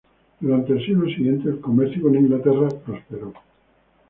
Durante el siglo siguiente, el comercio con Inglaterra prosperó.